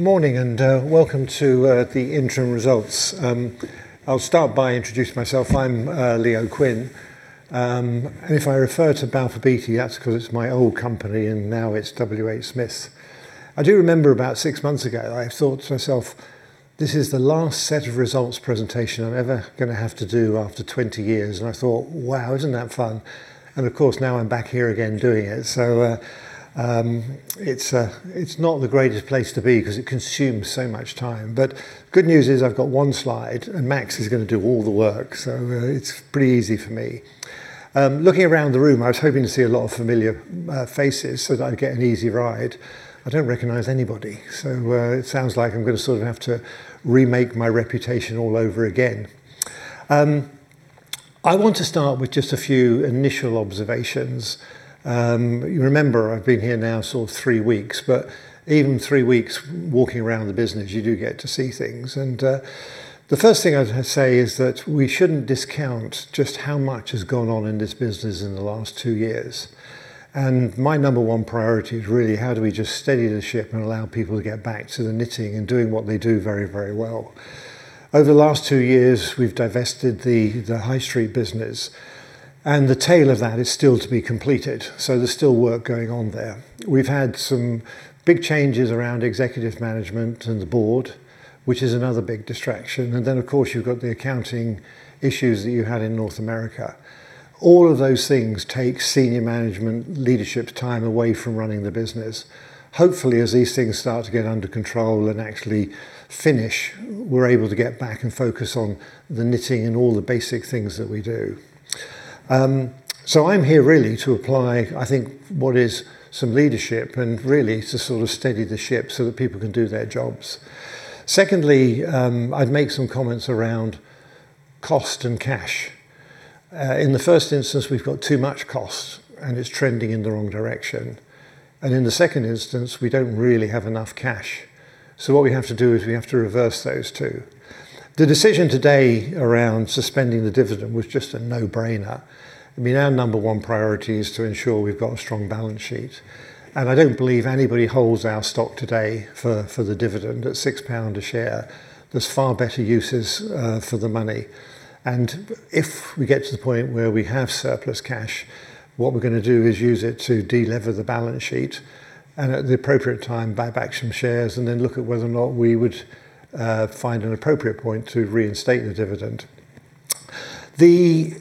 Morning and welcome to the interim results. I'll start by introducing myself. I'm Leo Quinn. If I refer to Balfour Beatty, that's because it's my old company, and now it's WH Smith. I do remember about six months ago,, I thought to myself, "This is the last set of results presentation I'm ever going to have to do after 20 years." I thought, "Wow, isn't that fun?" Of course, now I'm back here again doing it. It's not the greatest place to be because it consumes so much time. Good news is I've got one slide. Max is going to do all the work. It's pretty easy for me. Looking around the room I was hoping to see a lot of familiar faces so that I'd get an easy ride. I don't recognize anybody, so it sounds like I'm going to sort of have to remake my reputation all over again. I want to start with just a few initial observations. You remember, I've been here now sort of three weeks, but even three weeks walking around the business, you do get to see things. The first thing I'd say is that we shouldn't discount just how much has gone on in this business in the last two years. My number one priority is really how do we just steady the ship and allow people to get back to the knitting and doing what they do very well. Over the last two years, we've divested the High Street business, and the tail of that is still to be completed. There's still work going on there. We've had some big changes around executive management and the board, which is another big distraction, and then of course, you've got the accounting issues that you had in North America. All of those things take senior management leadership time away from running the business. Hopefully, as these things start to get under control and actually finish, we're able to get back and focus on the knitting and all the basic things that we do. I'm here really to apply, I think what is some leadership and really to sort of steady the ship so that people can do their jobs. Secondly, I'd make some comments around cost and cash. In the first instance, we've got too much cost, and it's trending in the wrong direction. In the second instance, we don't really have enough cash so what we have to do is we have to reverse those two. The decision today around suspending the dividend was just a no-brainer. Our number one priority is to ensure we've got a strong balance sheet. I don't believe anybody holds our stock today for the dividend at 6 pound a share. There's far better uses for the money. If we get to the point where we have surplus cash, what we're going to do is use it to delever the balance sheet, and at the appropriate time, buy back some shares and then look at whether or not we would find an appropriate point to reinstate the dividend. The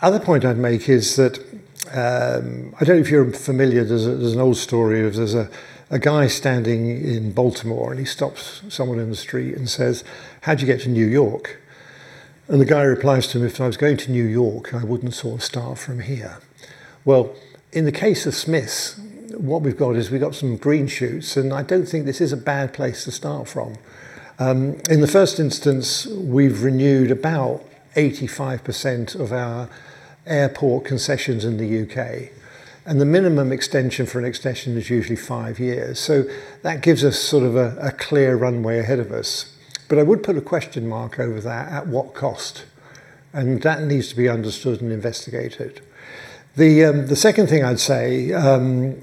other point I'd make is that, I don't know if you're familiar. There's an old story of, there's a guy standing in Baltimore, and he stops someone in the street and says, "How'd you get to New York?" And the guy replies to him, "If I was going to New York, I wouldn't sort of start from here." Well, in the case of Smiths, what we've got is we've got some green shoots, and I don't think this is a bad place to start from. In the first instance, we've renewed about 85% of our airport concessions in the U.K., and the minimum extension for an extension is usually five years. That gives us sort of a clear runway ahead of us. I would put a question mark over that, at what cost? That needs to be understood and investigated. The second thing I'd say,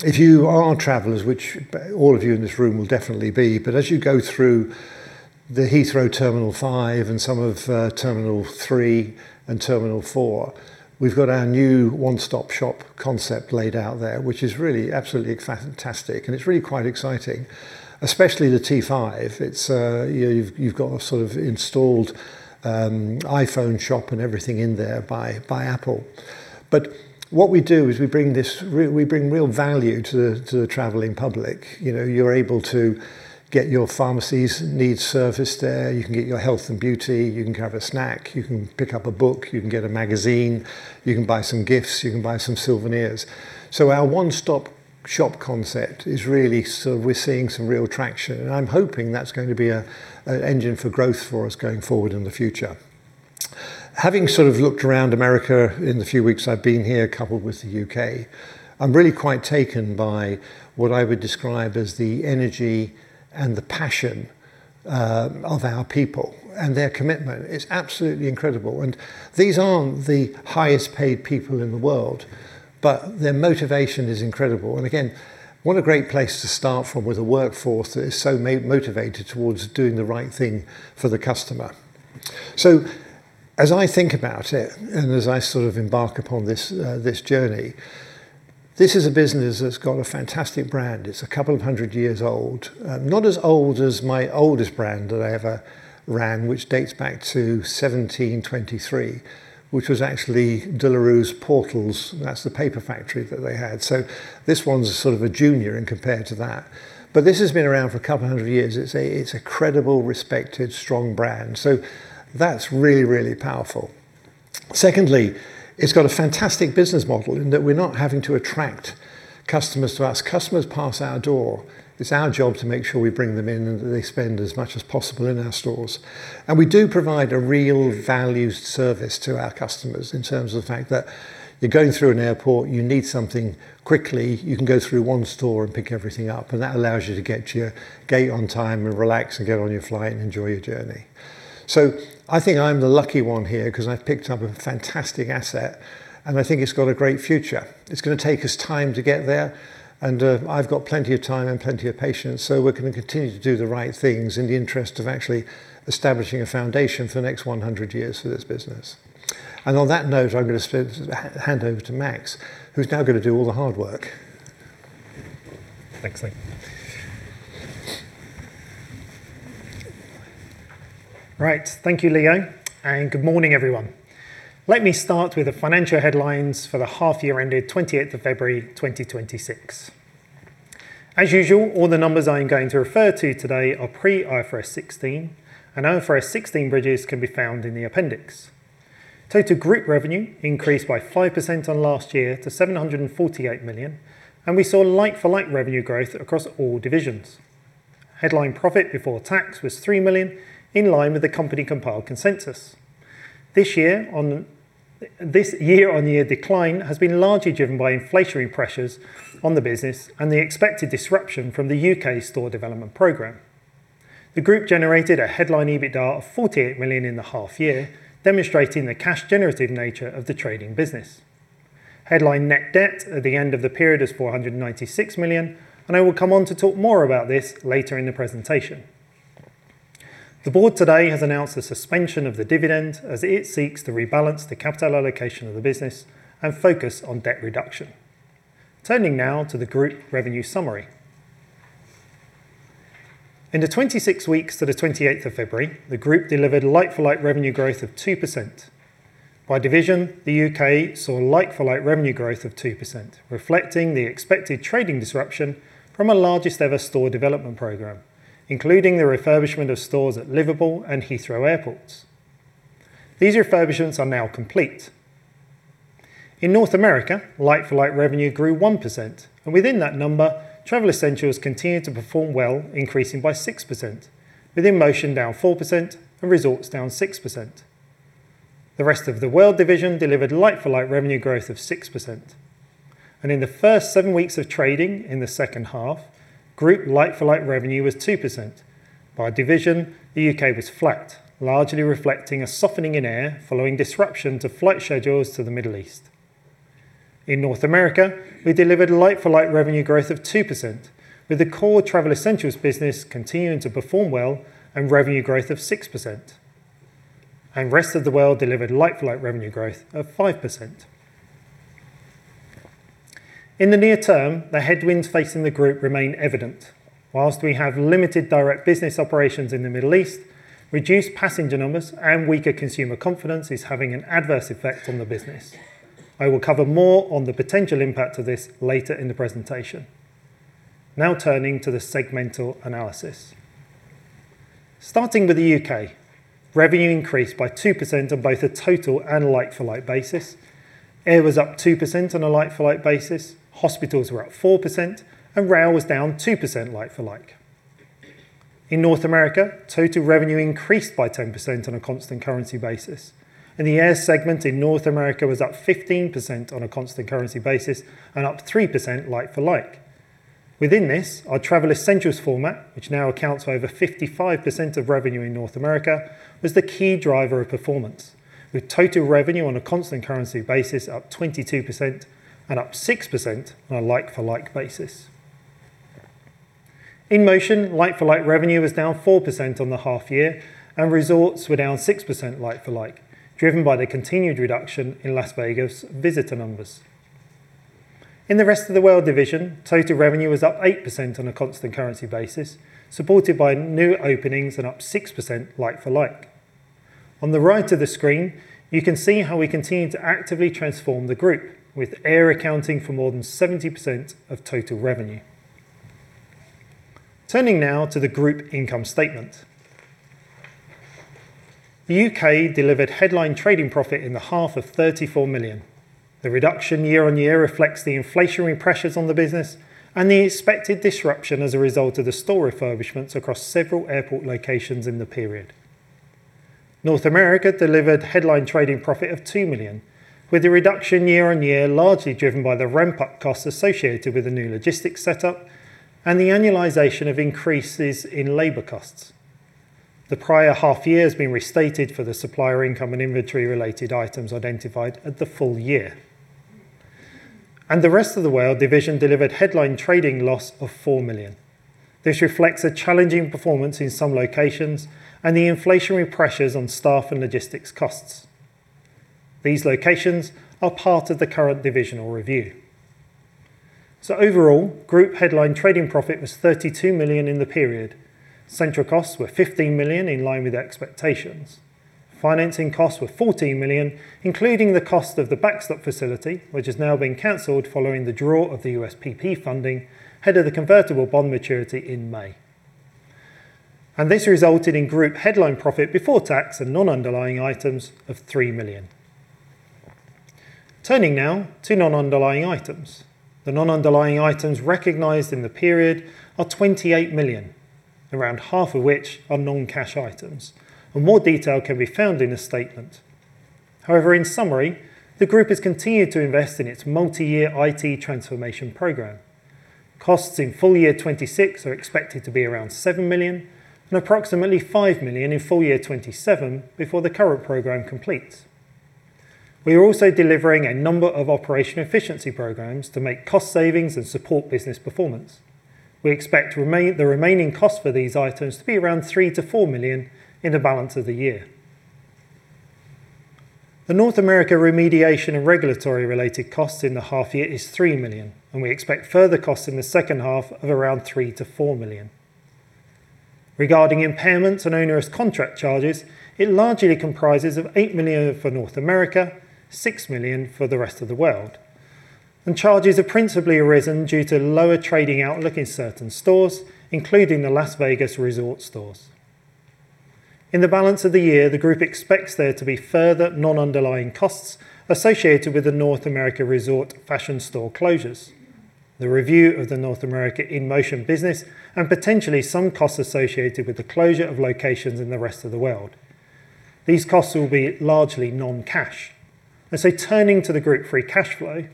if you are travelers, which all of you in this room will definitely be, but as you go through the Heathrow Terminal 5 and some of Terminal 3 and Terminal 4, we've got our new one-stop shop concept laid out there, which is really absolutely fantastic, and it's really quite exciting, especially the T5. You've got a sort of installed iPhone shop and everything in there by Apple. But what we do is we bring real value to the traveling public. You're able to get your pharmacy's needs serviced there. You can get your health and beauty. You can have a snack. You can pick up a book. You can get a magazine. You can buy some gifts. You can buy some souvenirs. Our one-stop shop concept is really sort of we're seeing some real traction, and I'm hoping that's going to be an engine for growth for us going forward in the future. Having sort of looked around America in the few weeks I've been here, coupled with the U.K., I'm really quite taken by what I would describe as the energy and the passion of our people and their commitment. It's absolutely incredible. These aren't the highest-paid people in the world, but their motivation is incredible. Again, what a great place to start from with a workforce that is so motivated towards doing the right thing for the customer. As I think about it and as I sort of embark upon this journey, this is a business that's got a fantastic brand. It's a couple of 100 years old. Not as old as my oldest brand that I ever ran, which dates back to 1723, which was actually De La Rue Portals. That's the paper factory that they had. This one's a sort of a junior in comparison to that. This has been around for a couple of 100 years. It's a credible, respected, strong brand. That's really powerful. Secondly, it's got a fantastic business model in that we're not having to attract customers to us. Customers pass our door. It's our job to make sure we bring them in and that they spend as much as possible in our stores. We do provide a real value service to our customers in terms of the fact that you're going through an airport, you need something quickly, you can go through one store and pick everything up, and that allows you to get to your gate on time and relax and get on your flight and enjoy your journey. I think I'm the lucky one here because I've picked up a fantastic asset, and I think it's got a great future. It's going to take us time to get there, and I've got plenty of time and plenty of patience, so we're going to continue to do the right things in the interest of actually establishing a foundation for the next 100 years for this business. On that note, I'm going to hand over to Max, who's now going to do all the hard work. Thanks, Leo. Right. Thank you, Leo, and good morning, everyone. Let me start with the financial headlines for the half year ended 28th of February 2026. As usual, all the numbers I'm going to refer to today are pre IFRS 16, and IFRS 16 bridges can be found in the appendix. Total group revenue increased by 5% on last year to 748 million, and we saw like-for-like revenue growth across all divisions. Headline profit before tax was 3 million, in line with the company-compiled consensus. This year-on-year decline has been largely driven by inflationary pressures on the business and the expected disruption from the U.K. store development program. The group generated a headline EBITDA of 48 million in the half year, demonstrating the cash generative nature of the trading business. Headline net debt at the end of the period is 496 million, and I will come on to talk more about this later in the presentation. The board today has announced the suspension of the dividend as it seeks to rebalance the capital allocation of the business and focus on debt reduction. Turning now to the group revenue summary. In the 26 weeks to the 28th of February, the group delivered like-for-like revenue growth of 2%. By division, the U.K. saw like-for-like revenue growth of 2%, reflecting the expected trading disruption from our largest ever store development program, including the refurbishment of stores at Liverpool and Heathrow airports. These refurbishments are now complete. In North America, like-for-like revenue grew 1%, and within that number, travel essentials continued to perform well, increasing by 6%, with InMotion down 4% and Resorts down 6%. The Rest of the World division delivered like-for-like revenue growth of 6%. In the first seven weeks of trading in the second half, group like-for-like revenue was 2%. By division, the U.K. was flat, largely reflecting a softening in air following disruption to flight schedules to the Middle East. In North America, we delivered like-for-like revenue growth of 2%, with the core travel essentials business continuing to perform well and revenue growth of 6%. Rest of the World delivered like-for-like revenue growth of 5%. In the near term, the headwinds facing the group remain evident. Whilst we have limited direct business operations in the Middle East, reduced passenger numbers and weaker consumer confidence is having an adverse effect on the business. I will cover more on the potential impact of this later in the presentation. Now turning to the segmental analysis. Starting with the U.K., revenue increased by 2% on both a total and like-for-like basis. Air was up 2% on a like-for-like basis, hospitals were up 4%, and rail was down 2% like-for-like. In North America, total revenue increased by 10% on a constant currency basis, and the air segment in North America was up 15% on a constant currency basis and up 3% like-for-like. Within this, our travel essentials format, which now accounts for over 55% of revenue in North America, was the key driver of performance, with total revenue on a constant currency basis up 22% and up 6% on a like-for-like basis. InMotion, like-for-like revenue was down 4% on the half year, and resorts were down 6% like-for-like, driven by the continued reduction in Las Vegas visitor numbers. In the Rest of the World division, total revenue was up 8% on a constant currency basis, supported by new openings and up 6% like-for-like. On the right of the screen, you can see how we continue to actively transform the group, with air accounting for more than 70% of total revenue. Turning now to the group income statement. The U.K. delivered headline trading profit in the half of 34 million. The reduction year-over-year reflects the inflationary pressures on the business and the expected disruption as a result of the store refurbishments across several airport locations in the period. North America delivered headline trading profit of 2 million, with the reduction year-over-year largely driven by the ramp-up costs associated with the new logistics setup and the annualization of increases in labor costs. The prior half year has been restated for the supplier income and inventory related items identified at the full year. The Rest of the World division delivered headline trading loss of 4 million. This reflects a challenging performance in some locations and the inflationary pressures on staff and logistics costs. These locations are part of the current divisional review. Overall, group headline trading profit was 32 million in the period. Central costs were 15 million, in line with expectations. Financing costs were 14 million, including the cost of the backstop facility, which has now been canceled following the draw of the USPP funding ahead of the convertible bond maturity in May. This resulted in group headline profit before tax and non-underlying items of 3 million. Turning now to non-underlying items. The non-underlying items recognized in the period are 28 million, around half of which are non-cash items, and more detail can be found in the statement. However, in summary, the group has continued to invest in its multi-year IT transformation program. Costs in FY 2026 are expected to be around 7 million and approximately 5 million in FY 2027 before the current program completes. We are also delivering a number of operational efficiency programs to make cost savings and support business performance. We expect the remaining cost for these items to be around 3 million-4 million in the balance of the year. The North America remediation and regulatory related costs in the half year is 3 million, and we expect further costs in the second half of around 3 million-4 million. Regarding impairments and onerous contract charges, it largely comprises 8 million for North America, 6 million for the Rest of the World. Charges have principally arisen due to lower trading outlook in certain stores, including the Las Vegas resort stores. In the balance of the year, the group expects there to be further non-underlying costs associated with the North America resort fashion store closures, the review of the North America InMotion business, and potentially some costs associated with the closure of locations in the Rest of the World. These costs will be largely non-cash as they're turning to the group free cash flow. Now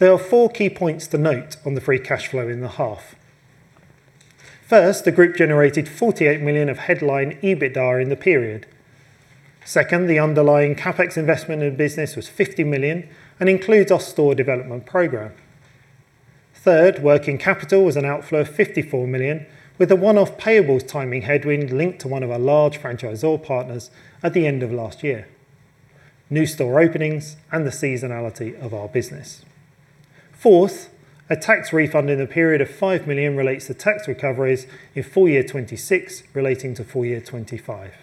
there are four key points to note on the free cash flow in the half. First, the group generated 48 million of headline EBITDA in the period. Second, the underlying CapEx investment in business was 50 million and includes our store development program. Third, working capital was an outflow of 54 million, with a one-off payables timing headwind linked to one of our large franchisor partners at the end of last year, new store openings, and the seasonality of our business. Fourth, a tax refund in the period of 5 million relates to tax recoveries in full year 2026 relating to full year 2025.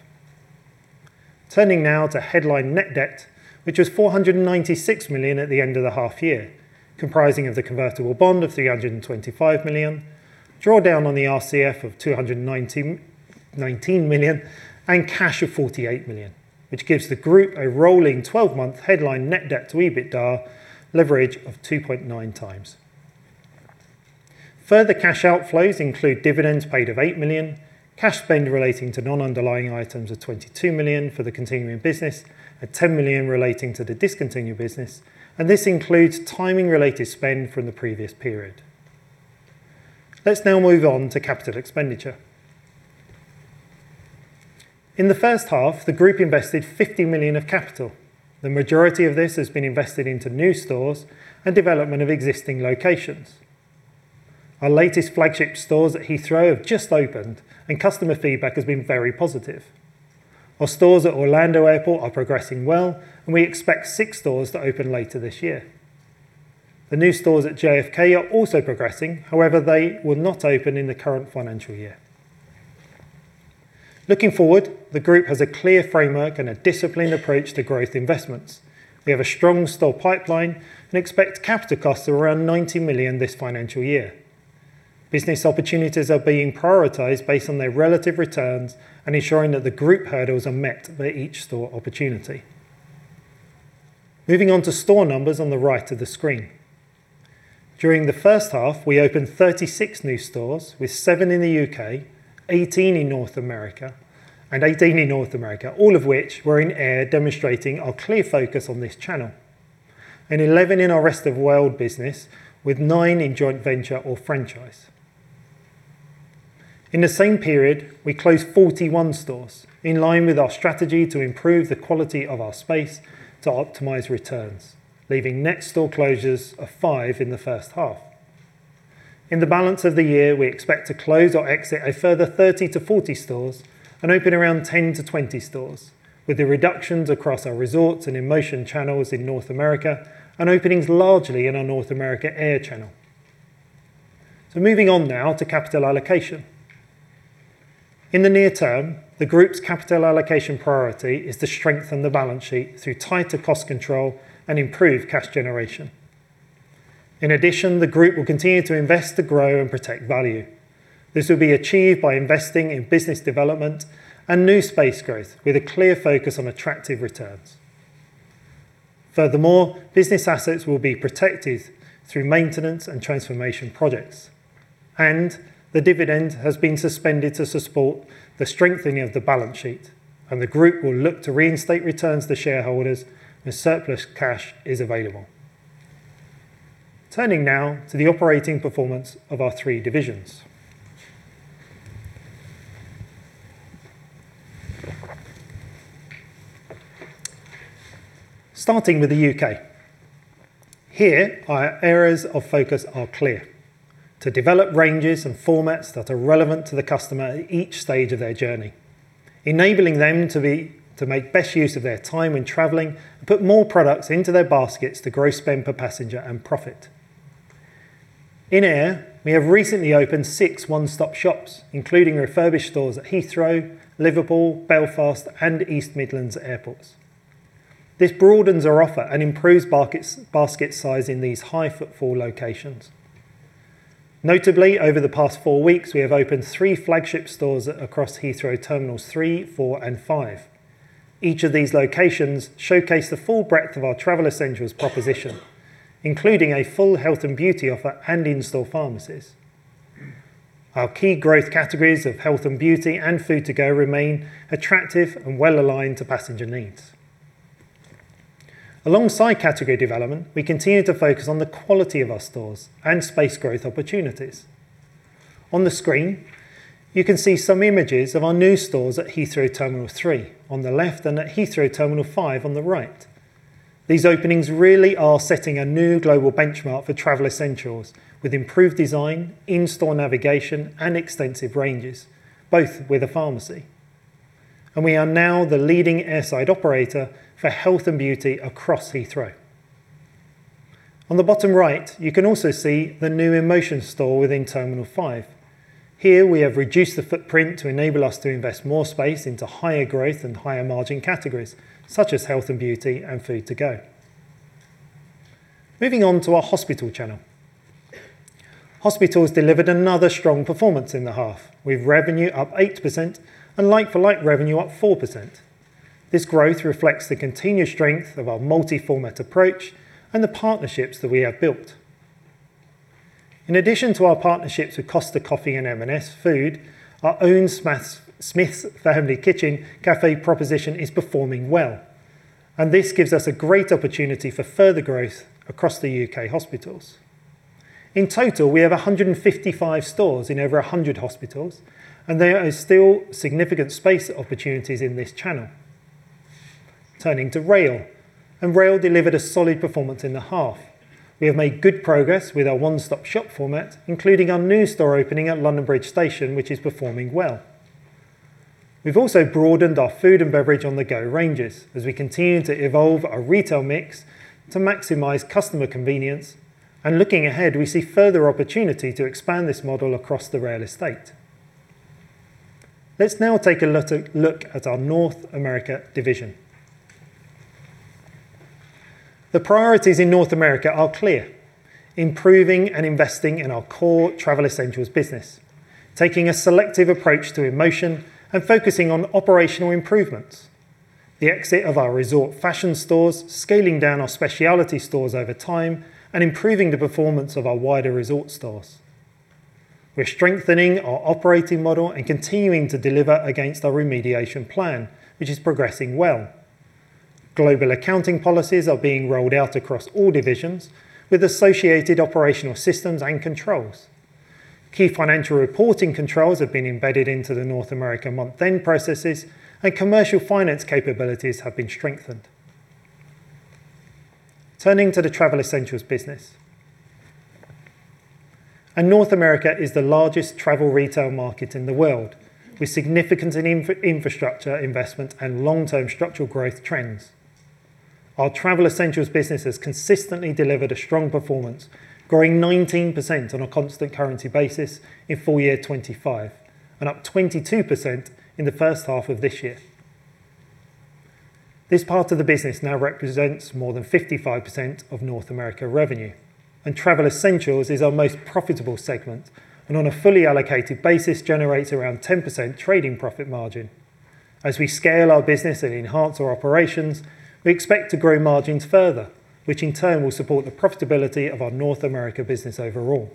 Turning now to headline net debt, which was 496 million at the end of the half year, comprising of the convertible bond of 325 million, drawdown on the RCF of 219 million, and cash of 48 million, which gives the group a rolling 12-month headline net debt to EBITDA leverage of 2.9x. Further cash outflows include dividends paid of 8 million, cash spend relating to non-underlying items of 22 million for the continuing business, and 10 million relating to the discontinued business, and this includes timing related spend from the previous period. Let's now move on to capital expenditure. In the first half, the group invested 50 million of capital. The majority of this has been invested into new stores and development of existing locations. Our latest flagship stores at Heathrow have just opened, and customer feedback has been very positive. Our stores at Orlando Airport are progressing well, and we expect six stores to open later this year. The new stores at JFK are also progressing. However, they will not open in the current financial year. Looking forward, the group has a clear framework and a disciplined approach to growth investments. We have a strong store pipeline and expect capital costs of around 90 million this financial year. Business opportunities are being prioritized based on their relative returns and ensuring that the group hurdles are met by each store opportunity. Moving on to store numbers on the right of the screen. During the first half, we opened 36 new stores, with seven in the U.K., 18 in North America, all of which were in air demonstrating our clear focus on this channel, and 11 in our rest of world business, with nine in joint venture or franchise. In the same period, we closed 41 stores, in line with our strategy to improve the quality of our space to optimize returns, leaving net store closures of five in the first half. In the balance of the year, we expect to close or exit a further 30-40 stores and open around 10-20 stores, with the reductions across our resorts and InMotion channels in North America and openings largely in our North America Air channel. Moving on now to capital allocation. In the near term, the group's capital allocation priority is to strengthen the balance sheet through tighter cost control and improve cash generation. In addition, the group will continue to invest to grow and protect value. This will be achieved by investing in business development and new space growth, with a clear focus on attractive returns. Furthermore, business assets will be protected through maintenance and transformation projects, and the dividend has been suspended to support the strengthening of the balance sheet. The group will look to reinstate returns to shareholders as surplus cash is available. Turning now to the operating performance of our three divisions. Starting with the U.K. Here, our areas of focus are clear. To develop ranges and formats that are relevant to the customer at each stage of their journey, enabling them to make best use of their time when traveling and put more products into their baskets to grow spend per passenger and profit. In Air, we have recently opened six one-stop-shops, including refurbished stores at Heathrow, Liverpool, Belfast, and East Midlands Airports. This broadens our offer and improves basket size in these high footfall locations. Notably, over the past four weeks, we have opened three flagship stores across Heathrow Terminals 3, 4, and 5. Each of these locations showcase the full breadth of our travel essentials proposition, including a full health and beauty offer and in-store pharmacies. Our key growth categories of health and beauty and food to go remain attractive and well-aligned to passenger needs. Alongside category development, we continue to focus on the quality of our stores and space growth opportunities. On the screen, you can see some images of our new stores at Heathrow Terminal 3 on the left and at Heathrow Terminal 5 on the right. These openings really are setting a new global benchmark for travel essentials, with improved design, in-store navigation, and extensive ranges, both with a pharmacy. We are now the leading airside operator for health and beauty across Heathrow. On the bottom right, you can also see the new InMotion store within Terminal 5. Here, we have reduced the footprint to enable us to invest more space into higher growth and higher margin categories, such as health and beauty and food to go. Moving on to our hospital channel. Hospitals delivered another strong performance in the half, with revenue up 8% and like-for-like revenue up 4%. This growth reflects the continued strength of our multi-format approach and the partnerships that we have built. In addition to our partnerships with Costa Coffee and M&S Food, our own Smith's Family Kitchen cafe proposition is performing well, and this gives us a great opportunity for further growth across the U.K. hospitals. In total, we have 155 stores in over 100 hospitals, and there are still significant space opportunities in this channel. Turning to rail delivered a solid performance in the half. We have made good progress with our one-stop-shop format, including our new store opening at London Bridge station, which is performing well. We've also broadened our food and beverage on-the-go ranges as we continue to evolve our retail mix to maximize customer convenience, and looking ahead, we see further opportunity to expand this model across the rail estate. Let's now take a look at our North America division. The priorities in North America are clear. Improving and investing in our core travel essentials business, taking a selective approach to InMotion and focusing on operational improvements, the exit of our resort fashion stores, scaling down our specialty stores over time, and improving the performance of our wider resort stores. We're strengthening our operating model and continuing to deliver against our remediation plan, which is progressing well. Global accounting policies are being rolled out across all divisions, with associated operational systems and controls. Key financial reporting controls have been embedded into the North American month-end processes, and commercial finance capabilities have been strengthened. Turning to the travel essentials business. North America is the largest travel retail market in the world, with significant infrastructure investment and long-term structural growth trends. Our travel essentials business has consistently delivered a strong performance, growing 19% on a constant currency basis in full year 2025 and up 22% in the first half of this year. This part of the business now represents more than 55% of North America revenue, and travel essentials is our most profitable segment, and on a fully allocated basis, generates around 10% trading profit margin. As we scale our business and enhance our operations, we expect to grow margins further, which in turn will support the profitability of our North America business overall.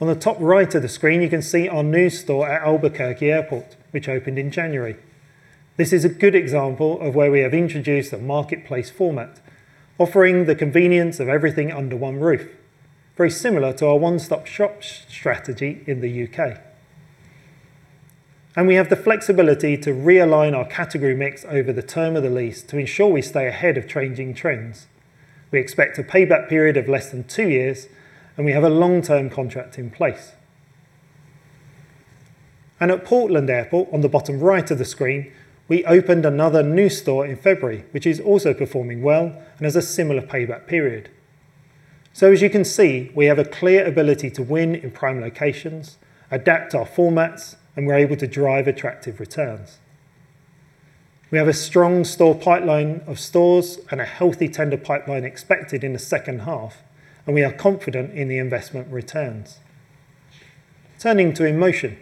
On the top right of the screen, you can see our new store at Albuquerque Airport, which opened in January. This is a good example of where we have introduced a marketplace format, offering the convenience of everything under one roof, very similar to our one-stop-shop strategy in the U.K. We have the flexibility to realign our category mix over the term of the lease to ensure we stay ahead of changing trends. We expect a payback period of less than two years, and we have a long-term contract in place. At Portland Airport, on the bottom right of the screen, we opened another new store in February, which is also performing well and has a similar payback period. As you can see, we have a clear ability to win in prime locations, adapt our formats, and we're able to drive attractive returns. We have a strong store pipeline of stores and a healthy tender pipeline expected in the second half, and we are confident in the investment returns. Turning to InMotion.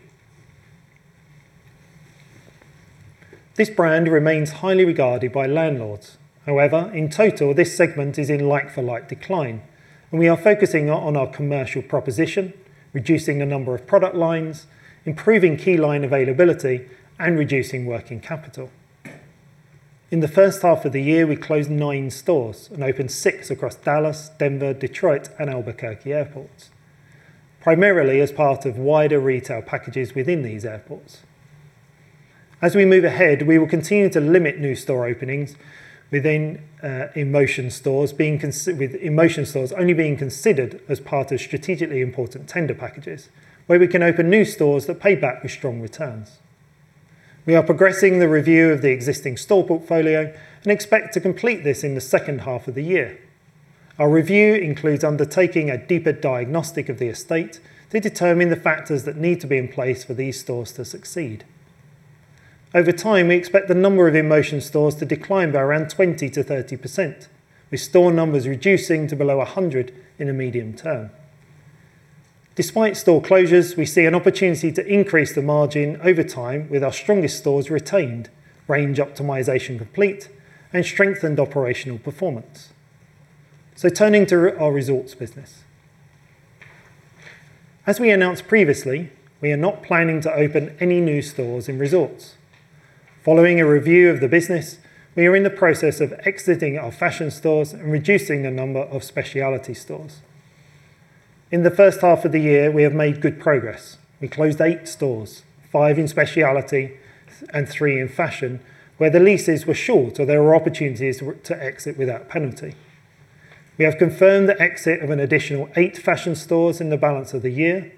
This brand remains highly regarded by landlords. However, in total, this segment is in like-for-like decline, and we are focusing on our commercial proposition, reducing the number of product lines, improving key line availability, and reducing working capital. In the first half of the year, we closed nine stores and opened six across Dallas, Denver, Detroit, and Albuquerque airports, primarily as part of wider retail packages within these airports. As we move ahead, we will continue to limit new store openings with InMotion stores only being considered as part of strategically important tender packages, where we can open new stores that pay back with strong returns. We are progressing the review of the existing store portfolio and expect to complete this in the second half of the year. Our review includes undertaking a deeper diagnostic of the estate to determine the factors that need to be in place for these stores to succeed. Over time, we expect the number of InMotion stores to decline by around 20%-30%, with store numbers reducing to below 100 in the medium term. Despite store closures, we see an opportunity to increase the margin over time with our strongest stores retained, range optimization complete, and strengthened operational performance. Turning to our resorts business. As we announced previously, we are not planning to open any new stores in resorts. Following a review of the business, we are in the process of exiting our fashion stores and reducing the number of specialty stores. In the first half of the year, we have made good progress. We closed eight stores, five in specialty and three in fashion, where the leases were short or there were opportunities to exit without penalty. We have confirmed the exit of an additional eight fashion stores in the balance of the year,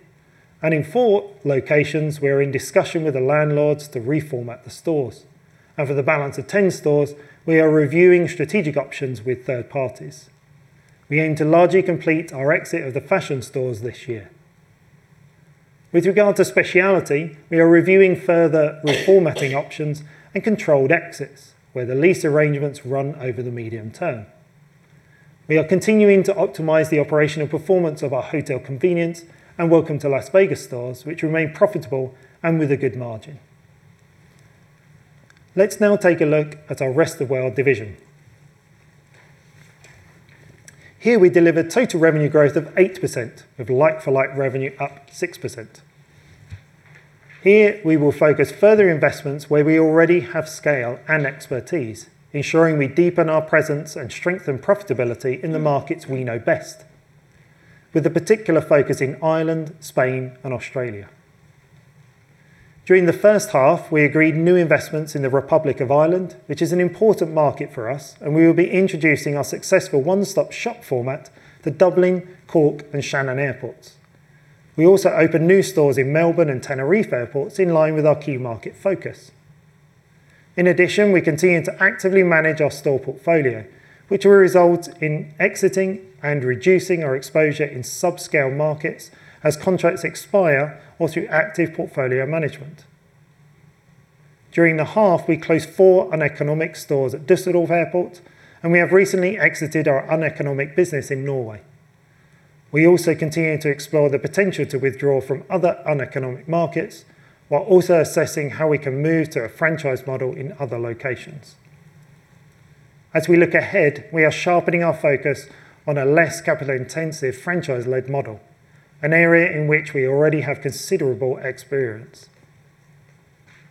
and in four locations we are in discussion with the landlords to reformat the stores. For the balance of 10 stores, we are reviewing strategic options with third parties. We aim to largely complete our exit of the fashion stores this year. With regard to specialty, we are reviewing further reformatting options and controlled exits where the lease arrangements run over the medium term. We are continuing to optimize the operational performance of our Hotel Convenience and Welcome to Las Vegas stores, which remain profitable and with a good margin. Let's now take a look at our Rest of World division. Here we delivered total revenue growth of 8% with like-for-like revenue up 6%. Here we will focus further investments where we already have scale and expertise, ensuring we deepen our presence and strengthen profitability in the markets we know best, with a particular focus in Ireland, Spain and Australia. During the first half, we agreed new investments in the Republic of Ireland, which is an important market for us, and we will be introducing our successful one-stop shop format to Dublin, Cork and Shannon airports. We also opened new stores in Melbourne and Tenerife airports in line with our key market focus. In addition, we continue to actively manage our store portfolio, which will result in exiting and reducing our exposure in subscale markets as contracts expire or through active portfolio management. During the half, we closed four uneconomic stores at Düsseldorf Airport, and we have recently exited our uneconomic business in Norway. We also continue to explore the potential to withdraw from other uneconomic markets while also assessing how we can move to a franchise model in other locations. As we look ahead, we are sharpening our focus on a less capital-intensive, franchise-led model, an area in which we already have considerable experience.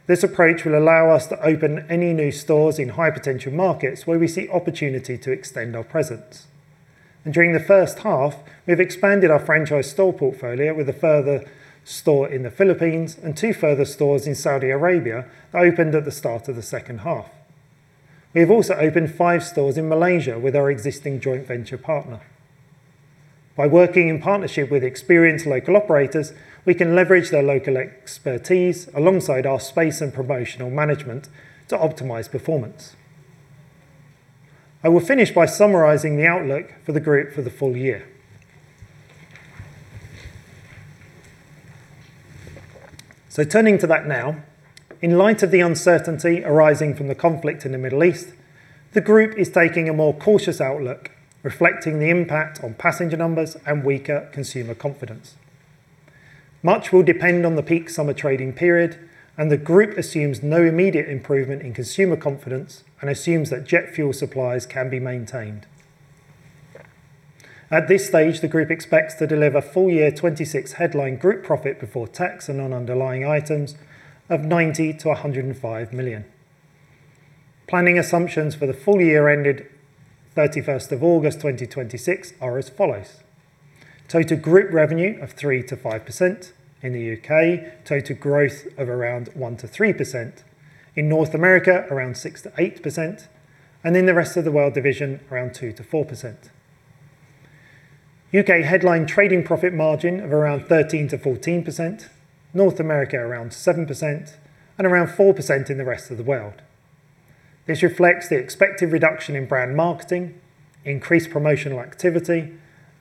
This approach will allow us to open any new stores in high potential markets where we see opportunity to extend our presence. During the first half, we have expanded our franchise store portfolio with a further store in the Philippines and two further stores in Saudi Arabia that opened at the start of the second half. We have also opened five stores in Malaysia with our existing joint venture partner. By working in partnership with experienced local operators, we can leverage their local expertise alongside our space and promotional management to optimize performance. I will finish by summarizing the outlook for the group for the full year. Turning to that now, in light of the uncertainty arising from the conflict in the Middle East, the group is taking a more cautious outlook, reflecting the impact on passenger numbers and weaker consumer confidence. Much will depend on the peak summer trading period, and the group assumes no immediate improvement in consumer confidence and assumes that jet fuel supplies can be maintained. At this stage, the group expects to deliver full year 2026 headline group profit before tax on underlying items of 90 million-105 million. Planning assumptions for the full year ended 31st of August 2026 are as follows. Total group revenue of 3%-5% in the U.K., total growth of around 1%-3%, in North America around 6%-8%, and in the Rest of the World division around 2%-4%. U.K. headline trading profit margin of around 13%-14%, North America around 7%, and around 4% in the Rest of the World. This reflects the expected reduction in brand marketing, increased promotional activity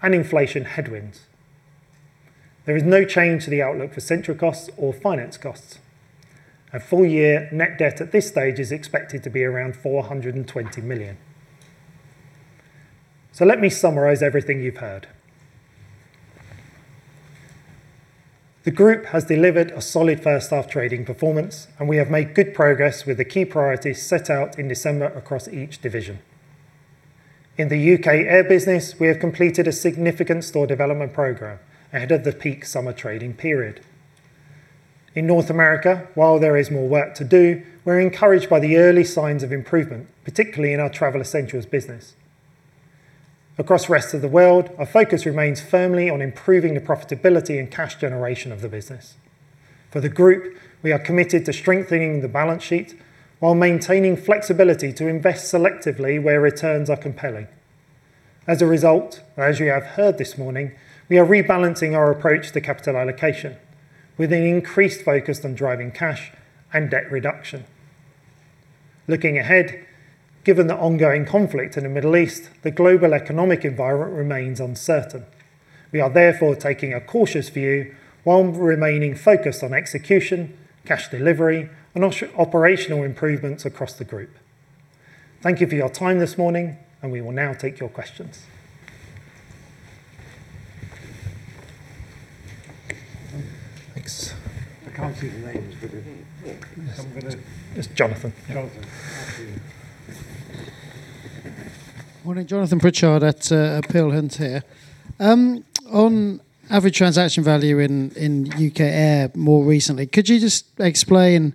and inflation headwinds. There is no change to the outlook for central costs or finance costs. Our full year net debt at this stage is expected to be around 420 million. Let me summarize everything you've heard. The group has delivered a solid first half trading performance, and we have made good progress with the key priorities set out in December across each division. In the U.K. Air business, we have completed a significant store development program ahead of the peak summer trading period. In North America, while there is more work to do, we are encouraged by the early signs of improvement, particularly in our travel essentials business. Across Rest of the World, our focus remains firmly on improving the profitability and cash generation of the business. For the group, we are committed to strengthening the balance sheet while maintaining flexibility to invest selectively where returns are compelling. As a result, as you have heard this morning, we are rebalancing our approach to capital allocation with an increased focus on driving cash and debt reduction. Looking ahead, given the ongoing conflict in the Middle East, the global economic environment remains uncertain. We are therefore taking a cautious view while remaining focused on execution, cash delivery and operational improvements across the group. Thank you for your time this morning and we will now take your questions. Thanks. I can't see the names, but I'm going to. It's Jonathan. Jonathan. After you. Morning, Jonathan Pritchard at Peel Hunt here. On average transaction value in U.K. Air more recently, could you just explain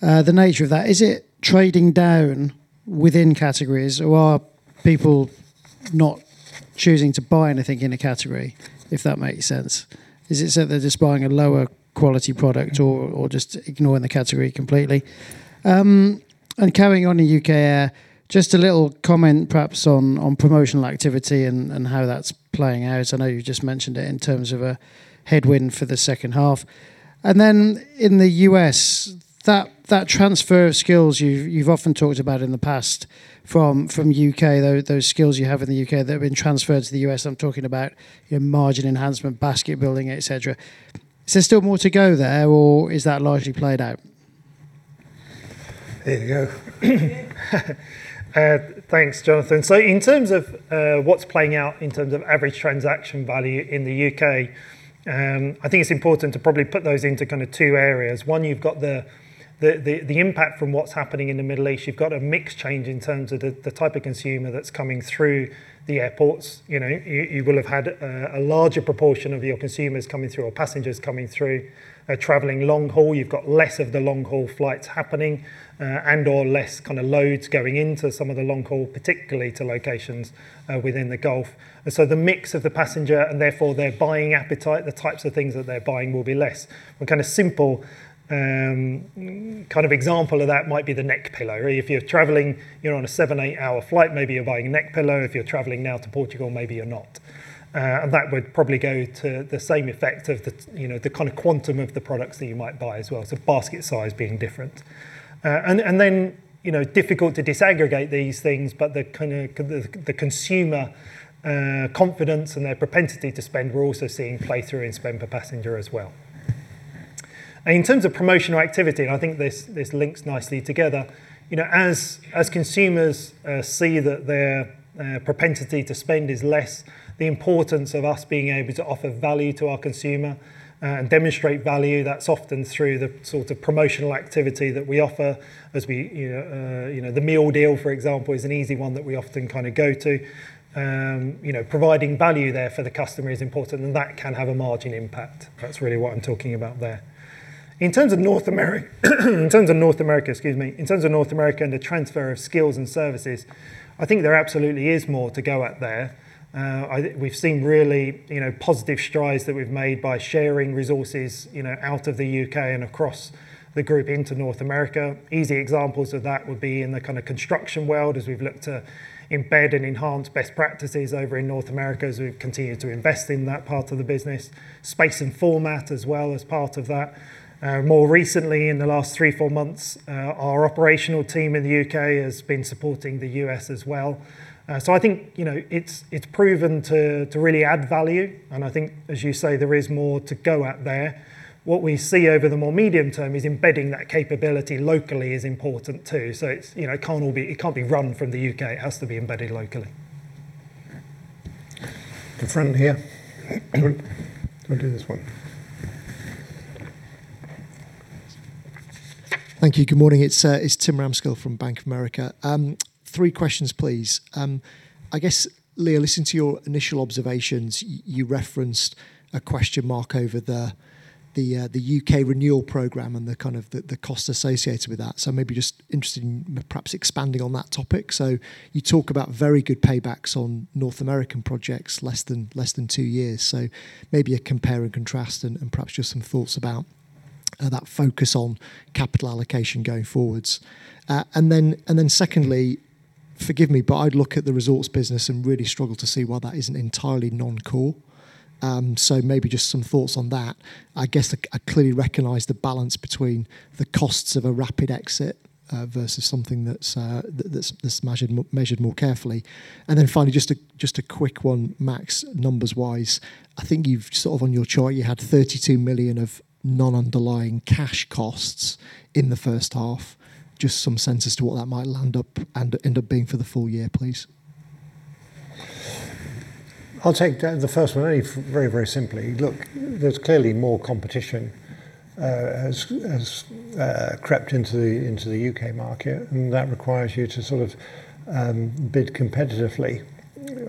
the nature of that? Is it trading down within categories or are people not choosing to buy anything in a category, if that makes sense? Is it so they're just buying a lower quality product or just ignoring the category completely? Carrying on in U.K. Air, just a little comment perhaps on promotional activity and how that's playing out. I know you just mentioned it in terms of a headwind for the second half. Then in the U.S., that transfer of skills you've often talked about in the past from U.K., those skills you have in the U.K. that have been transferred to the U.S., I'm talking about your margin enhancement, basket building, etc., is there still more to go there or is that largely played out? There you go. Thanks, Jonathan. In terms of what's playing out in terms of average transaction value in the U.K., I think it's important to probably put those into kind of two areas. One, you've got the impact from what's happening in the Middle East. You've got a mix change in terms of the type of consumer that's coming through the airports. You will have had a larger proportion of your consumers coming through, or passengers coming through, traveling long-haul. You've got less of the long-haul flights happening, and/or less loads going into some of the long-haul, particularly to locations within the Gulf. The mix of the passenger, and therefore their buying appetite, the types of things that they're buying will be less. A kind of simple example of that might be the neck pillow. If you're traveling on a seven- or eight-hour flight, maybe you're buying a neck pillow. If you're traveling now to Portugal, maybe you're not. That would probably go to the same effect of the kind of quantum of the products that you might buy as well, basket size being different. Difficult to disaggregate these things, but the consumer confidence and their propensity to spend, we're also seeing play out in spend per passenger as well. In terms of promotional activity, and I think this links nicely together. As consumers see that their propensity to spend is less, the importance of us being able to offer value to our consumer and demonstrate value, that's often through the sort of promotional activity that we offer. The meal deal, for example, is an easy one that we often go to. Providing value there for the customer is important, and that can have a margin impact. That's really what I'm talking about there. In terms of North America, and the transfer of skills and services, I think there absolutely is more to go at there. We've seen really positive strides that we've made by sharing resources out of the U.K. and across the group into North America. Easy examples of that would be in the kind of construction world as we've looked to embed and enhance best practices over in North America, as we've continued to invest in that part of the business, space and format as well as part of that. More recently, in the last three to four months, our operational team in the U.K. has been supporting the U.S. as well. I think it's proven to really add value, and I think, as you say, there is more to go at there. What we see over the more medium term is embedding that capability locally is important too. It can't be run from the U.K. so it has to be embedded locally. The front here. Do you want to do this one? Thank you. Good morning. It's Tim Ramskill from Bank of America. Three questions, please. I guess, Leo, listening to your initial observations, you referenced a question mark over the U.K. renewal program and the kind of the cost associated with that. Maybe just interested in perhaps expanding on that topic. You talk about very good paybacks on North American projects, less than tw years. Maybe a compare and contrast and perhaps just some thoughts about that focus on capital allocation going forwards. Secondly, forgive me, but I'd look at the resorts business and really struggle to see why that isn't entirely non-core. Maybe just some thoughts on that. I guess I clearly recognize the balance between the costs of a rapid exit versus something that's measured more carefully. Finally, just a quick one, Max. Numbers wise, I think you've sort of, on your chart, you had 32 million of non-underlying cash costs in the first half. Just some sense as to what that might end up being for the full year, please. I'll take the first one, only very, very simply. Look, there's clearly more competition has crept into the U.K. market, and that requires you to sort of bid competitively.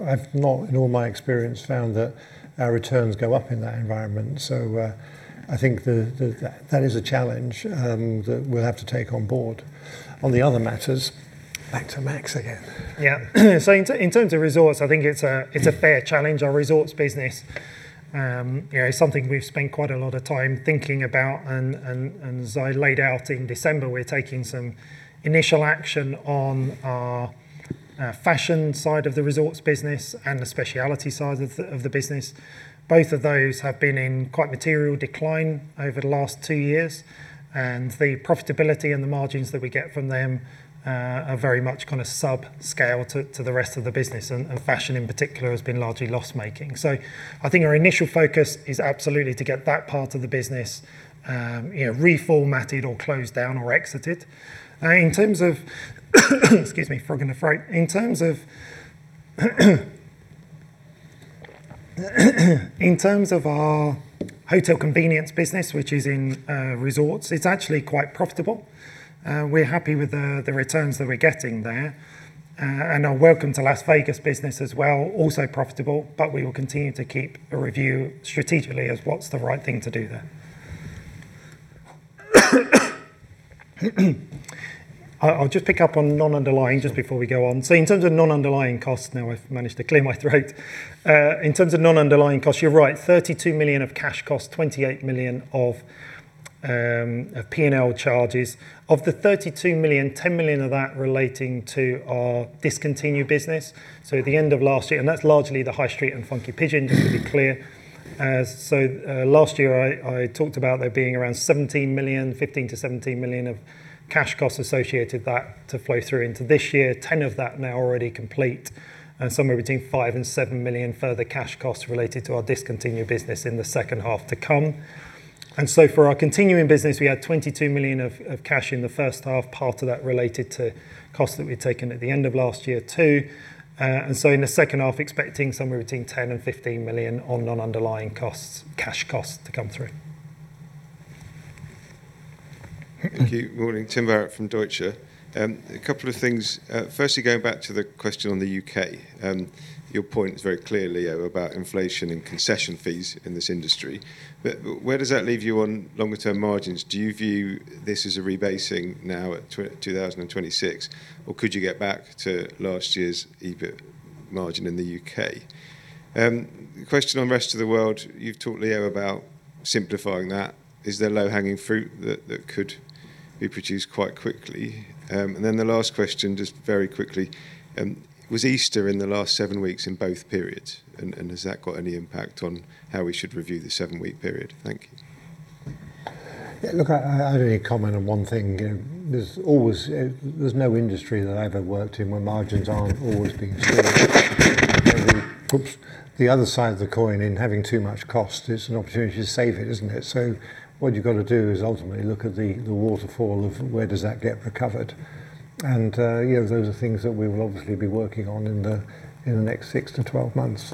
I've not, in all my experience, found that our returns go up in that environment. I think that is a challenge that we'll have to take on board. On the other matters, back to Max again. Yeah. In terms of resorts, I think it's a fair challenge. Our resorts business is something we've spent quite a lot of time thinking about, and as I laid out in December, we're taking some initial action on our fashion side of the resorts business and the specialty side of the business. Both of those have been in quite material decline over the last two years, and the profitability and the margins that we get from them are very much sub-scale to the rest of the business, and fashion in particular has been largely loss-making. I think our initial focus is absolutely to get that part of the business reformatted or closed down or exited. In terms of, excuse me, frog in the throat. In terms of our hotel convenience business, which is in resorts, it's actually quite profitable. We're happy with the returns that we're getting there. Our Welcome to Las Vegas business as well, also profitable, but we will continue to keep under review strategically as what's the right thing to do there. I'll just pick up on non-underlying just before we go on. In terms of non-underlying costs, now I've managed to clear my throat, you're right, 32 million of cash costs, 28 million of P&L charges. Of the 32 million, 10 million of that relating to our discontinued business. At the end of last year. That's largely the High Street and Funky Pigeon, just to be clear. Last year I talked about there being around 17 million, 15 million-17 million of cash costs associated that to flow through into this year, 10 million of that now already complete, and somewhere between 5 million and 7 million further cash costs related to our discontinued business in the second half to come. For our continuing business, we had 22 million of cash in the first half, part of that related to costs that we'd taken at the end of last year too. In the second half, expecting somewhere between 10 million and 15 million on non-underlying costs, cash costs to come through. Thank you. Morning. Tim Barrett from Deutsche Bank. A couple of things. Firstly, going back to the question on the U.K. Your point very clearly about inflation and concession fees in this industry. Where does that leave you on longer term margins? Do you view this as a rebasing now at 2026, or could you get back to last year's EBIT margin in the U.K.? Question on Rest of the World. You've talked, Leo, about simplifying that. Is there low-hanging fruit that could be produced quite quickly? Then the last question, just very quickly, was Easter in the last seven weeks in both periods, and has that got any impact on how we should review the seven-week period? Thank you. Yeah, look, I'd only comment on one thing. There's no industry that I've ever worked in where margins aren't always being squeezed. The other side of the coin, in having too much cost, it's an opportunity to save it, isn't it? So what you've got to do is ultimately look at the waterfall of where does that get recovered. Those are things that we will obviously be working on in the next 6-12 months.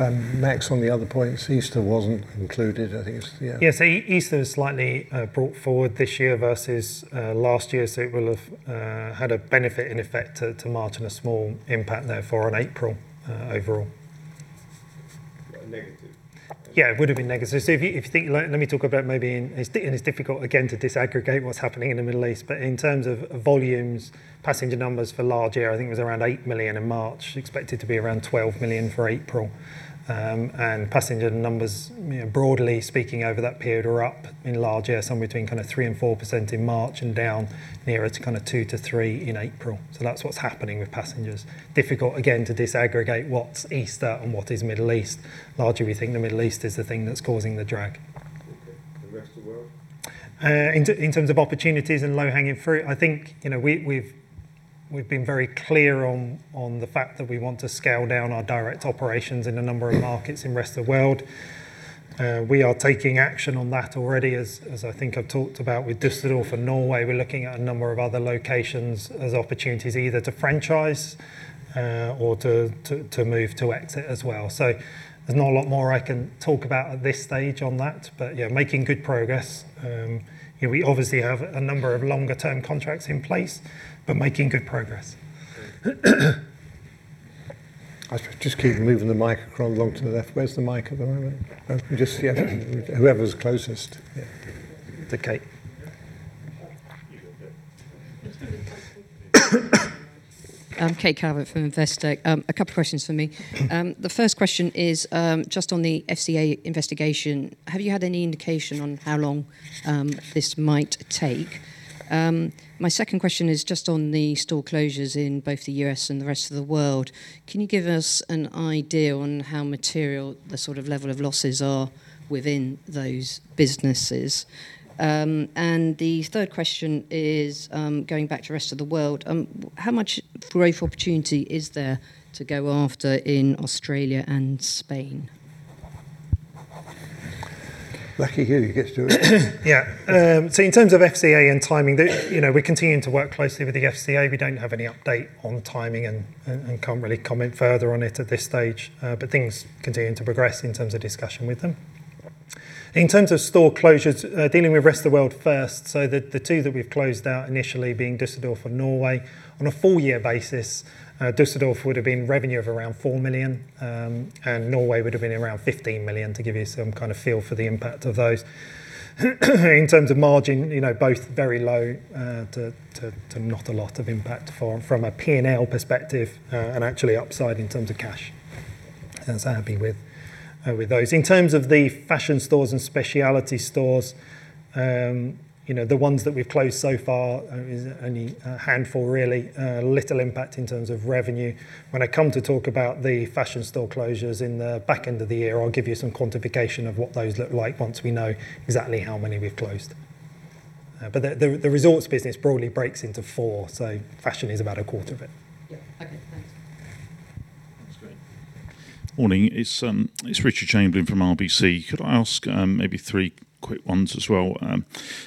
Max, on the other points, Easter wasn't included, I think it's. Yeah. Yeah. Easter is slightly brought forward this year versus last year, so it will have had a benefit in effect to margin, a small impact therefore on April overall. A negative. Yeah, it would have been negative. If you think, let me talk about. It's difficult again to disaggregate what's happening in the Middle East, but in terms of volumes, passenger numbers for large air, I think it was around 8 million in March, expected to be around 12 million for April. Passenger numbers, broadly speaking over that period are up in large air, somewhere between kind of 3%-4% in March and down nearer to kind of 2%-3% in April. That's what's happening with passengers. Difficult, again, to disaggregate what's Easter and what is Middle East. Rather, we think the Middle East is the thing that's causing the drag. Okay. The Rest of the World? In terms of opportunities and low-hanging fruit, I think we've been very clear on the fact that we want to scale down our direct operations in a number of markets in Rest of the World. We are taking action on that already, as I think I've talked about with Düsseldorf and Norway. We're looking at a number of other locations as opportunities either to franchise or to move to exit as well. There's not a lot more I can talk about at this stage on that. Yeah, making good progress. We obviously have a number of longer term contracts in place, but making good progress. Just keep moving the mic along to the left. Where's the mic at the moment? Just, yeah. Whoever's closest, yeah. To Kate. You got it. Kate Calvert from Investec. I have a couple questions for you. The first question is, just on the FCA investigation, have you had any indication on how long this might take? My second question is just on the store closures in both the U.S. and the Rest of the World. Can you give us an idea on how material the sort of level of losses are within those businesses? The third question is, going back to Rest of the World, how much growth opportunity is there to go after in Australia and Spain? Lucky you get to do it. Yeah. In terms of FCA and timing, we're continuing to work closely with the FCA. We don't have any update on timing and can't really comment further on it at this stage. Things continuing to progress in terms of discussion with them. In terms of store closures, dealing with Rest of the World first, so the two that we've closed out initially being Düsseldorf and Norway. On a full year basis, Düsseldorf would have been revenue of around 4 million, and Norway would have been around 15 million, to give you some kind of feel for the impact of those. In terms of margin, both very low to not a lot of impact from a P&L perspective, and actually upside in terms of cash, so happy with those. In terms of the fashion stores and specialty stores, the ones that we've closed so far is only a handful, really. Little impact in terms of revenue. When I come to talk about the fashion store closures in the back end of the year, I'll give you some quantification of what those look like once we know exactly how many we've closed. The resorts business broadly breaks into four, so fashion is about a quarter of it. Yeah. Okay, thanks. That's great. Morning. It's Richard Chamberlain from RBC. Could I ask maybe three quick ones as well?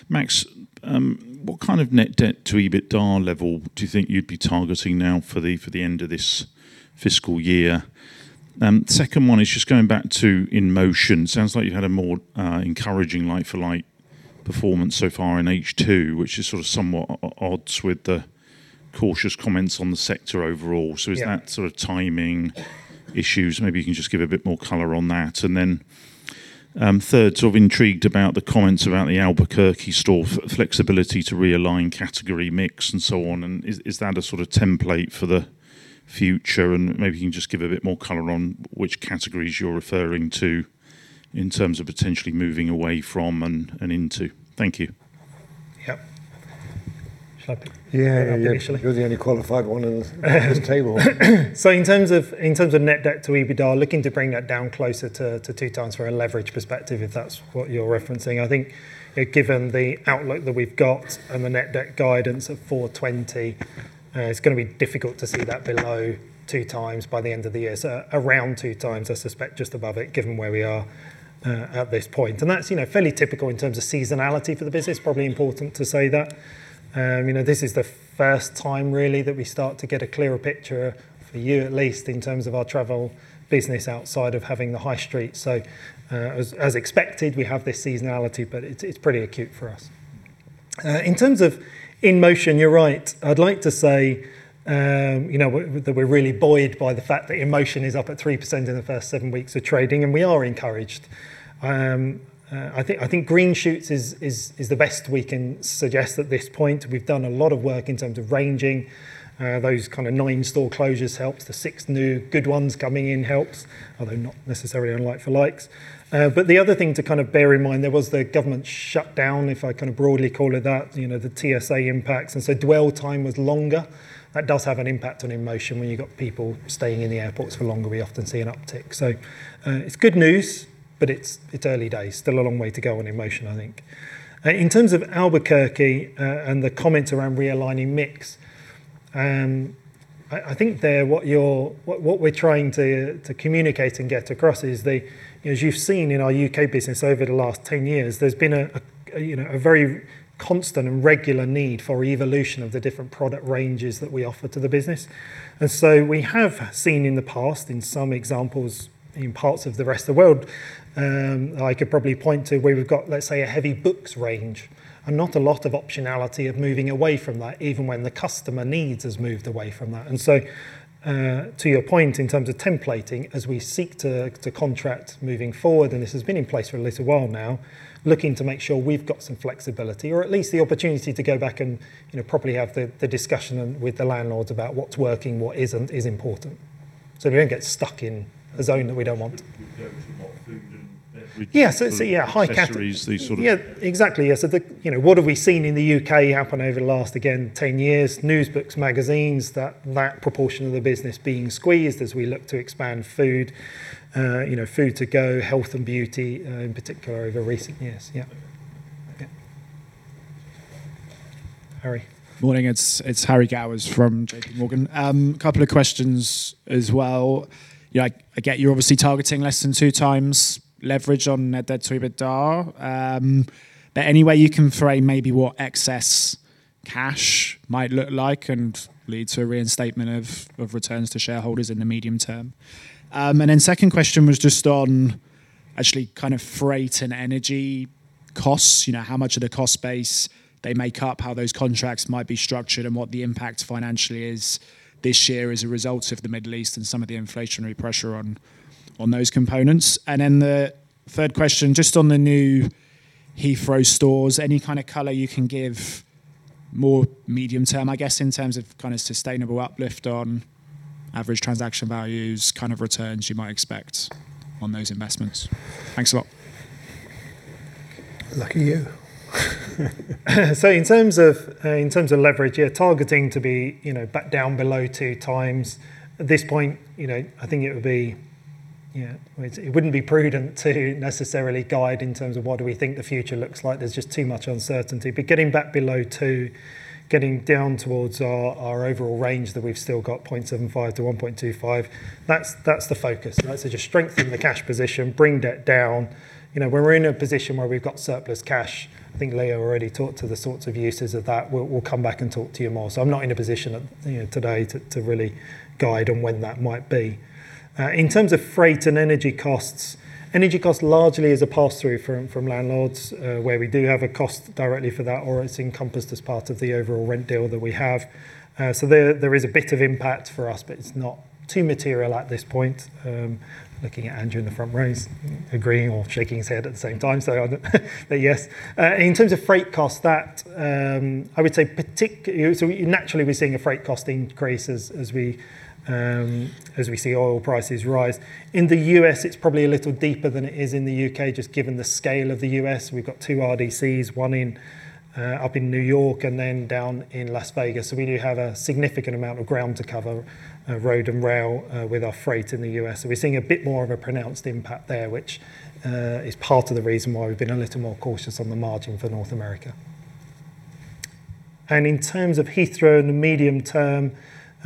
Max, what kind of net debt to EBITDA level do you think you'd be targeting now for the end of this fiscal year? Second one is just going back to InMotion. Sounds like you had a more encouraging like-for-like performance so far in H2, which is sort of somewhat at odds with the cautious comments on the sector overall. Yeah. Is that sort of timing issues? Maybe you can just give a bit more color on that. Third, I'm sort of intrigued about the comments around the Albuquerque store, flexibility to realign category mix and so on. Is that a sort of template for the future? Maybe you can just give a bit more color on which categories you're referring to in terms of potentially moving away from and into. Thank you. Yep. Shall I pick? Yeah. You're the only qualified one at this table. In terms of net debt to EBITDA, looking to bring that down closer to 2x from a leverage perspective, if that's what you're referencing. I think given the outlook that we've got and the net debt guidance of 420, it's going to be difficult to see that below 2x by the end of the year. Around 2x, I suspect just above it, given where we are at this point. That's fairly typical in terms of seasonality for the business, probably important to say that. This is the first time really that we start to get a clearer picture for you, at least in terms of our travel business outside of having the high street as expected, we have this seasonality, but it's pretty acute for us. In terms of InMotion, you're right. I'd like to say that we're really buoyed by the fact that InMotion is up at 3% in the first seven weeks of trading, and we are encouraged. I think green shoots is the best we can suggest at this point. We've done a lot of work in terms of ranging. Those kind of ine store closures helps. The six new good ones coming in helps, although not necessarily on like-for-likes. The other thing to kind of bear in mind, there was the government shutdown, if I kind of broadly call it that, the TSA impacts. Dwell time was longer. That does have an impact on InMotion. When you got people staying in the airports for longer, we often see an uptick. It's good news, but it's early days, still a long way to go on InMotion, I think. In terms of Albuquerque, and the comment around realigning mix, I think there what we're trying to communicate and get across is the, as you've seen in our U.K. business over the last 10 years, there's been a very constant and regular need for evolution of the different product ranges that we offer to the business. We have seen in the past, in some examples in parts of the Rest of the World, I could probably point to where we've got, let's say, a heavy books range and not a lot of optionality of moving away from that, even when the customer needs has moved away from that. To your point, in terms of templating, as we seek to contract moving forward, and this has been in place for a little while now, looking to make sure we've got some flexibility or at least the opportunity to go back and properly have the discussion with the landlords about what's working, what isn't, is important. We don't get stuck in a zone that we don't want. We go to more food and beverages. Yes. It's a high category. Accessories, these sort of Yeah, exactly. Yeah, what have we seen in the U.K. happen over the last, again, 10 years, news, books, magazines, that proportion of the business being squeezed as we look to expand food to go, health and beauty, in particular over recent years. Yeah. Okay. Harry. Morning. It's Harry Gowers from JPMorgan. Couple of questions as well. I get you're obviously targeting less than 2x leverage on net debt to EBITDA. Any way you can frame maybe what excess cash might look like and lead to a reinstatement of returns to shareholders in the medium term? Second question was just on actually kind of freight and energy costs, how much of the cost base they make up, how those contracts might be structured, and what the impact financially is this year as a result of the Middle East and some of the inflationary pressure on those components. The third question, just on the new Heathrow stores, any kind of color you can give more medium term, I guess, in terms of kind of sustainable uplift on average transaction values, kind of returns you might expect on those investments. Thanks a lot. Lucky you. In terms of leverage, yeah, targeting to be back down below 2x. At this point, I think it wouldn't be prudent to necessarily guide in terms of what do we think the future looks like. There's just too much uncertainty. Getting back below 2x, getting down towards our overall range that we've still got, 0.75x-1.25x, that's the focus. That's to just strengthen the cash position, bring debt down. When we're in a position where we've got surplus cash, I think Leo already talked to the sorts of uses of that. We'll come back and talk to you more. I'm not in a position today to really guide on when that might be. In terms of freight and energy costs, energy cost largely is a pass-through from landlords, where we do have a cost directly for that, or it's encompassed as part of the overall rent deal that we have. There is a bit of impact for us, but it's not too material at this point. I'm looking at Andrew in the front row. He's agreeing or shaking his head at the same time but yes. In terms of freight cost, so naturally we're seeing a freight cost increase as we see oil prices rise. In the U.S., it's probably a little deeper than it is in the U.K., just given the scale of the U.S. We've got two RDCs, one up in New York and then down in Las Vegas. We do have a significant amount of ground to cover, road and rail, with our freight in the U.S. We're seeing a bit more of a pronounced impact there, which is part of the reason why we've been a little more cautious on the margin for North America. In terms of Heathrow in the medium term,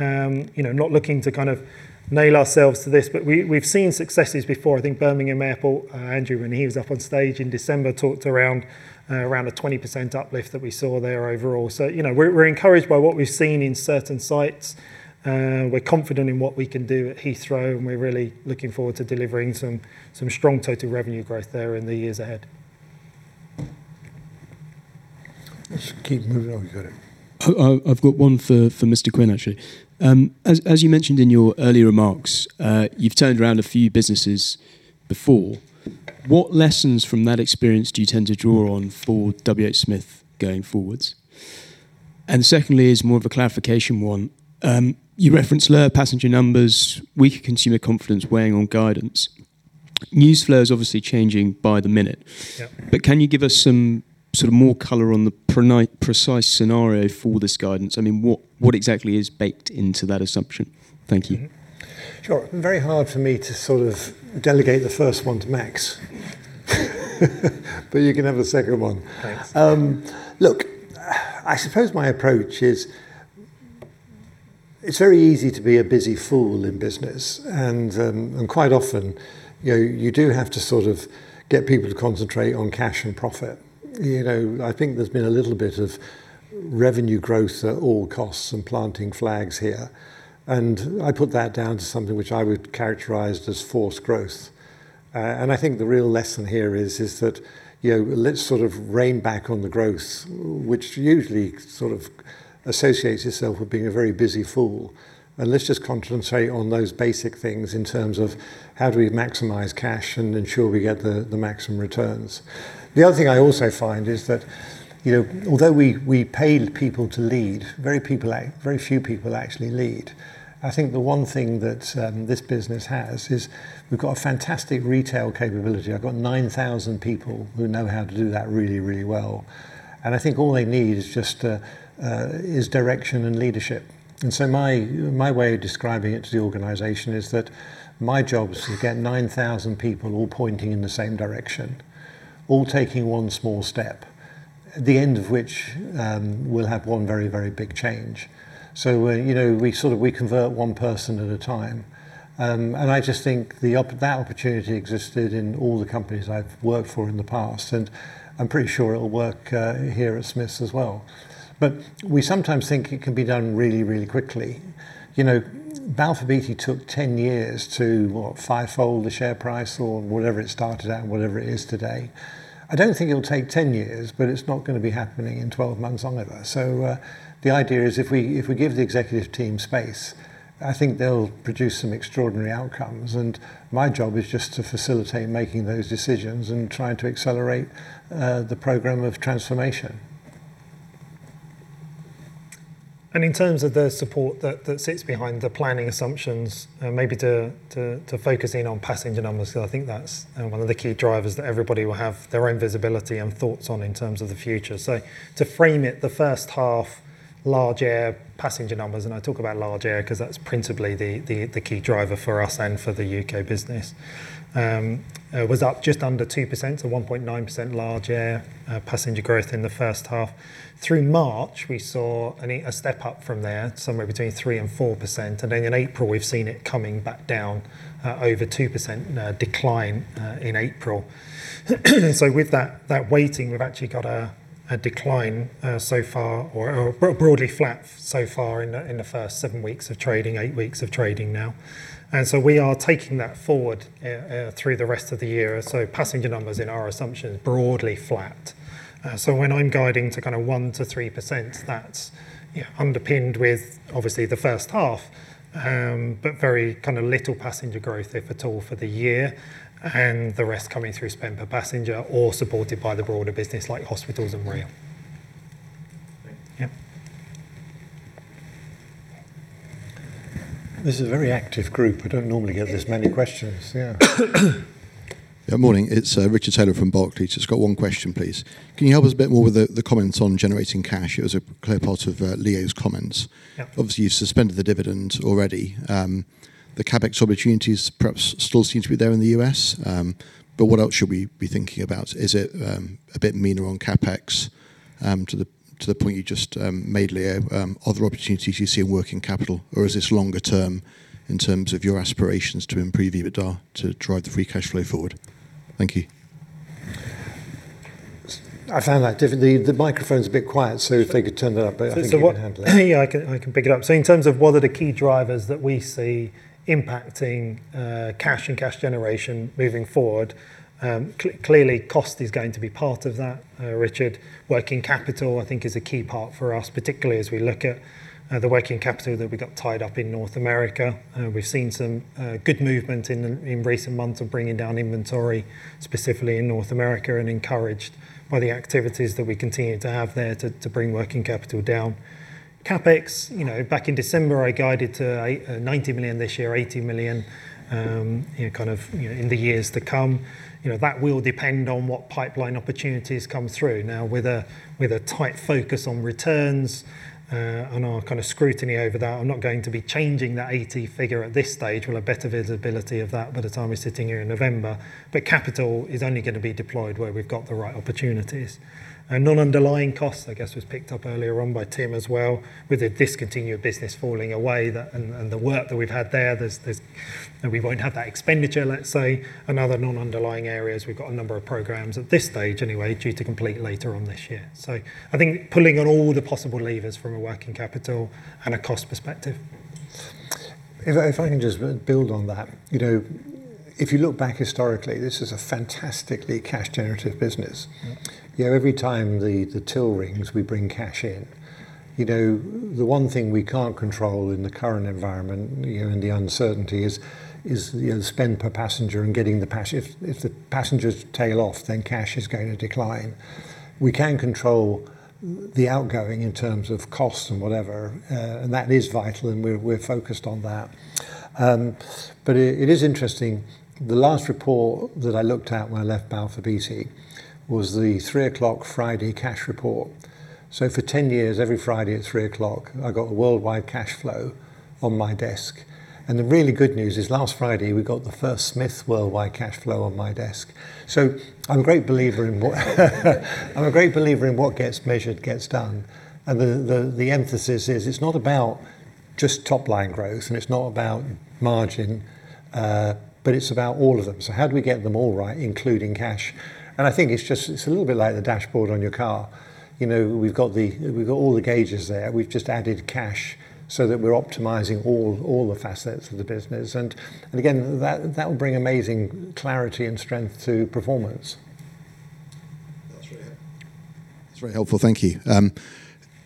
not looking to kind of nail ourselves to this, but we've seen successes before. I think Birmingham Airport, Andrew, when he was up on stage in December, talked around a 20% uplift that we saw there overall. We're encouraged by what we've seen in certain sites. We're confident in what we can do at Heathrow, and we're really looking forward to delivering some strong total revenue growth there in the years ahead. Just keep moving on. You got it. I've got one for Mr. Quinn, actually. As you mentioned in your earlier remarks, you've turned around a few businesses before. What lessons from that experience do you tend to draw on for WH Smith going forwards? Secondly, it's more of a clarification one. You reference lower passenger numbers, weaker consumer confidence weighing on guidance. News flow is obviously changing by the minute. Yep. Can you give us some sort of more color on the precise scenario for this guidance? What exactly is baked into that assumption? Thank you Sure. Very hard for me to sort of delegate the first one to Max but you can have the second one. Thanks. Look, I suppose my approach is, it's very easy to be a busy fool in business, and quite often, you do have to sort of get people to concentrate on cash and profit. I think there's been a little bit of revenue growth at all costs and planting flags here, and I put that down to something which I would characterize as forced growth. I think the real lesson here is that, let's sort of rein back on the growth, which usually sort of associates itself with being a very busy fool. Let's just concentrate on those basic things in terms of how do we maximize cash and ensure we get the maximum returns. The other thing I also find is that, although we paid people to lead, very few people actually lead. I think the one thing that this business has is we've got a fantastic retail capability. I've got 9,000 people who know how to do that really, really well. I think all they need is direction and leadership. My way of describing it to the organization is that my job is to get 9,000 people all pointing in the same direction, all taking one small step, at the end of which, we'll have one very, very big change. We convert one person at a time. I just think that opportunity existed in all the companies I've worked for in the past, and I'm pretty sure it'll work here at Smiths as well. We sometimes think it can be done really, really quickly. Balfour Beatty took 10 years to what? Fivefold the share price or whatever it started at and whatever it is today. I don't think it'll take 10 years, but it's not going to be happening in 12 months either. The idea is if we give the executive team space, I think they'll produce some extraordinary outcomes, and my job is just to facilitate making those decisions and trying to accelerate the program of transformation. In terms of the support that sits behind the planning assumptions, maybe to focus in on passenger numbers, because I think that's one of the key drivers that everybody will have their own visibility and thoughts on in terms of the future. To frame it, the first half large air passenger numbers, and I talk about large air because that's principally the key driver for us and for the U.K. business, was up just under 2%, so 1.9% large air passenger growth in the first half. Through March, we saw a step up from there, somewhere between 3%-4%, and then in April, we've seen it coming back down over 2% decline in April. With that weighting, we've actually got a decline so far, or broadly flat so far in the first seven weeks of trading, eight weeks of trading now. We are taking that forward through the rest of the year. Passenger numbers in our assumption is broadly flat. When I'm guiding to kind of 1%-3%, that's underpinned with obviously the first half, but very kind of little passenger growth, if at all, for the year, and the rest coming through spend per passenger all supported by the broader business like hospitals and rail. Great. Yeah. This is a very active group. I don't normally get this many questions. Yeah, morning. It's Richard Taylor from Barclays. Just got one question, please. Can you help us a bit more with the comments on generating cash? It was a clear part of Leo's comments. Yep. Obviously, you've suspended the dividend already. The CapEx opportunities perhaps still seem to be there in the U.S., but what else should we be thinking about? Is it a bit meaner on CapEx, to the point you just made, Leo? Other opportunities you see in working capital? Or is this longer term in terms of your aspirations to improve EBITDA to drive the free cash flow forward? Thank you. The microphone's a bit quiet, so if they could turn that up. I think you can handle it. In terms of what are the key drivers that we see impacting cash and cash generation moving forward, clearly cost is going to be part of that, Richard. Working capital, I think is a key part for us, particularly as we look at the working capital that we got tied up in North America. We've seen some good movement in recent months of bringing down inventory, specifically in North America, and encouraged by the activities that we continue to have there to bring working capital down. CapEx, back in December, I guided to 90 million this year, 80 million, kind of in the years to come. That will depend on what pipeline opportunities come through. Now with a tight focus on returns, and our kind of scrutiny over that, I'm not going to be changing that GBP 80 million figure at this stage. We'll have better visibility of that by the time we're sitting here in November. Capital is only going to be deployed where we've got the right opportunities. Non-underlying costs, I guess, was picked up earlier on by Tim as well, with the discontinued business falling away, and the work that we've had there, that we won't have that expenditure, let's say. Other non-underlying areas, we've got a number of programs at this stage anyway, due to complete later on this year. I think pulling on all the possible levers from a working capital and a cost perspective. If I can just build on that. If you look back historically, this is a fantastically cash generative business. Every time the till rings, we bring cash in. The one thing we can't control in the current environment, and the uncertainty is the spend per passenger and getting the passengers. If the passengers tail off, then cash is going to decline. We can control the outgoing in terms of costs and whatever. That is vital and we're focused on that. It is interesting, the last report that I looked at when I left Balfour Beatty was the 3:00 o'clock Friday cash report. For 10 years, every Friday at 3:00 o'clock, I got a worldwide cash flow on my desk. The really good news is last Friday we got the first Smith worldwide cash flow on my desk. I'm a great believer in what gets measured gets done. The emphasis is it's not about just top-line growth, and it's not about margin, but it's about all of them. How do we get them all right, including cash? I think it's a little bit like the dashboard on your car. We've got all the gauges there. We've just added cash so that we're optimizing all the facets of the business. Again, that will bring amazing clarity and strength to performance. That's very helpful. Thank you.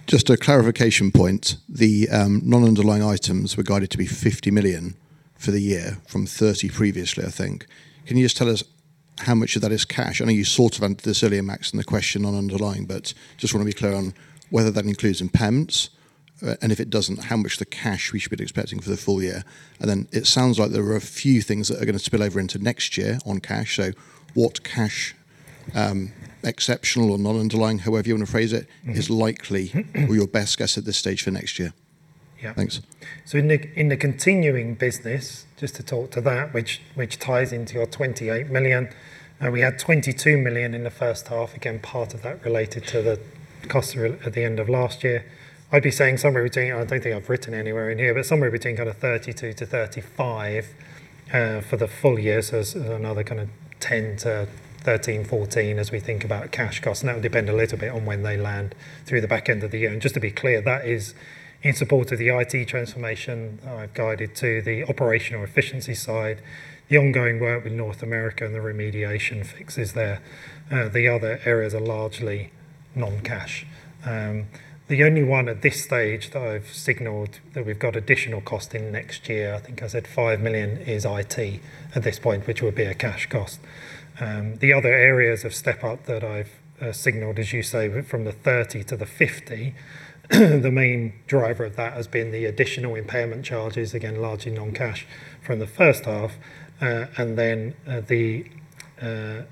Just a clarification point, the non-underlying items were guided to be 50 million for the year from 30 million previously, I think. Can you just tell us how much of that is cash? I know you sorted this earlier, Max, in the question on underlying, but just want to be clear on whether that includes impairments. And if it doesn't, how much the cash we should be expecting for the full year. And then it sounds like there are a few things that are going to spill over into next year on cash. So what cash, exceptional or non-underlying, however you want to phrase it. Is likely or your best guess at this stage for next year? Yeah. Thanks. In the continuing business, just to talk to that, which ties into your 28 million, we had 22 million in the first half. Again, part of that related to the costs at the end of last year. I'd be saying somewhere between, I don't think I've written anywhere in here, but somewhere between kind of 32 million-35 million for the full year. As another kind of 10 million-13 million, 14 million as we think about cash costs, and that will depend a little bit on when they land through the back end of the year. Just to be clear, that is in support of the IT transformation I've guided to the operational efficiency side, the ongoing work with North America, and the remediation fixes there. The other areas are largely non-cash. The only one at this stage that I've signaled that we've got additional costs next year. I think I said 5 million is IT at this point, which would be a cash cost. The other areas of step up that I've signaled, as you say, from the 30 million to the 50 million, the main driver of that has been the additional impairment charges, again, largely non-cash from the first half, and then the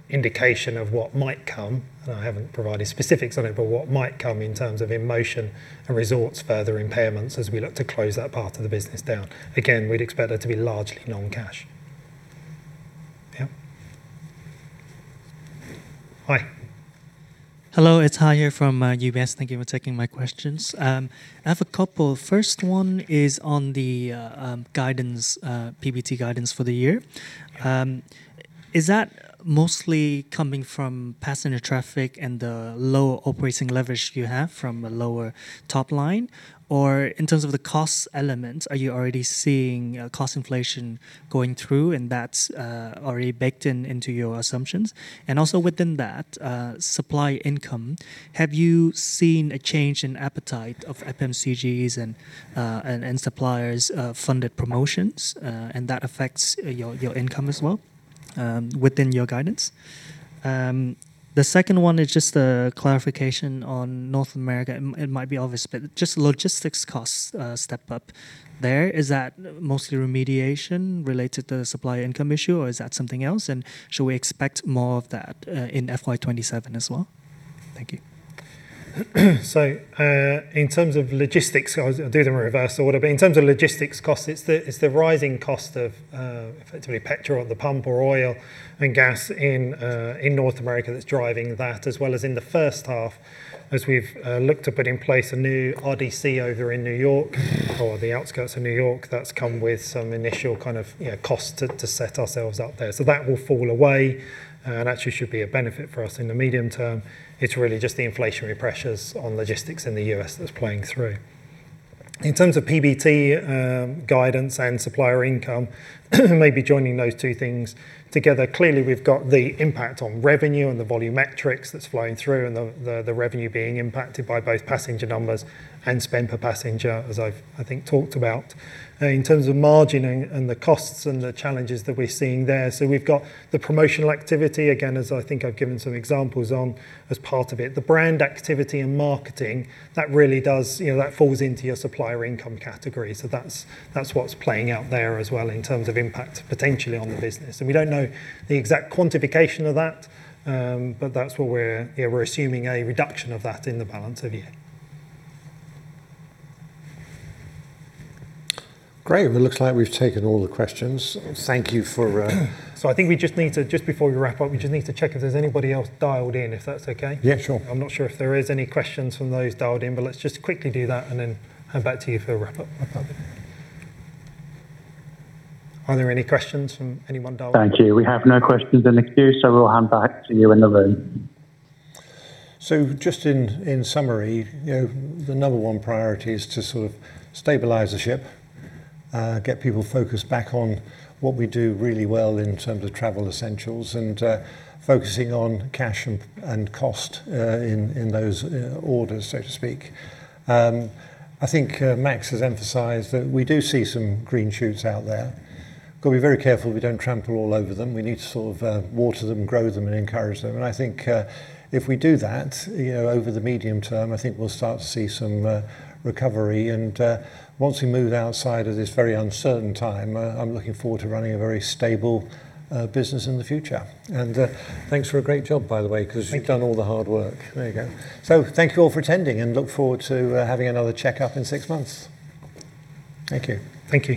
indication of what might come, and I haven't provided specifics on it, but what might come in terms of InMotion and resorts further impairments as we look to close that part of the business down. Again, we'd expect that to be largely non-cash. Yeah. Hi. Hello, it's Hai from UBS. Thank you for taking my questions. I have a couple. First one is on the PBT guidance for the year. Yeah. Is that mostly coming from passenger traffic and the lower operating leverage you have from a lower top line? Or in terms of the cost elements, are you already seeing cost inflation going through and that's already baked into your assumptions? Within that, supplier income, have you seen a change in appetite of FMCGs and suppliers of funded promotions, and that affects your income as well within your guidance? The second one is just a clarification on North America, and it might be obvious, but just logistics costs step up there. Is that mostly remediation related to the supplier income issue, or is that something else? And should we expect more of that in FY 2027 as well? Thank you. In terms of logistics, I'll do them in reverse order, but in terms of logistics costs, it's the rising cost of effectively petrol at the pump or oil and gas in North America that's driving that, as well as in the first half, as we've looked to put in place a new RDC over in New York or the outskirts of New York. That's come with some initial kind of costs to set ourselves up there. That will fall away, and actually should be a benefit for us in the medium term. It's really just the inflationary pressures on logistics in the U.S. that's playing through. In terms of PBT guidance and supplier income, maybe joining those two things together. Clearly, we've got the impact on revenue and the volumetrics that's flowing through, and the revenue being impacted by both passenger numbers and spend per passenger, as I've, I think, talked about. In terms of margin and the costs and the challenges that we're seeing there, we've got the promotional activity, again, as I think I've given some examples on as part of it. The brand activity and marketing, that falls into your supplier income category. That's what's playing out there as well in terms of impact potentially on the business. We don't know the exact quantification of that, but that's where we're assuming a reduction of that in the balance of year. Great. Well, it looks like we've taken all the questions. Thank you for- I think just before we wrap up, we just need to check if there's anybody else dialed in, if that's okay? Yeah, sure. I'm not sure if there is any questions from those dialed in, but let's just quickly do that and then hand back to you for a wrap-up. Are there any questions from anyone dialed up? Thank you. We have no questions in the queue, so we'll hand back to you in the room. Just in summary, the number one priority is to sort of stabilize the ship, get people focused back on what we do really well in terms of travel essentials, and focusing on cash and cost in those orders, so to speak. I think Max has emphasized that we do see some green shoots out there. Got to be very careful we don't trample all over them. We need to sort of water them and grow them and encourage them. I think if we do that, over the medium term, I think we'll start to see some recovery. Once we move outside of this very uncertain time, I'm looking forward to running a very stable business in the future. Thanks for a great job, by the way, because you've done all the hard work. Thank you. There you go. Thank you all for attending, and I look forward to having another checkup in six months. Thank you. Thank you.